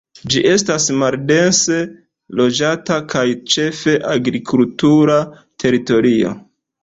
Ĝi estas maldense loĝata kaj ĉefe agrikultura teritorio.